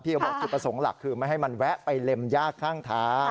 เขาบอกจุดประสงค์หลักคือไม่ให้มันแวะไปเล็มยากข้างทาง